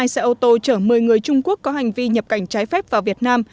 hai xe ô tô chở một mươi người trung quốc có hành vi nhập cảnh trái phép vào việt nam